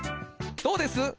どうです？